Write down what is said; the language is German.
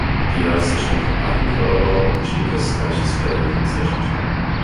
Die Art ist durch einen kompakten Körperbau und durch dickes weiches Fell gekennzeichnet.